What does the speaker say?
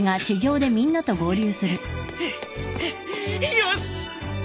よし！